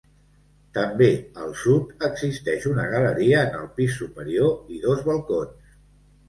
També al sud existeix una galeria en el pis superior i dos balcons.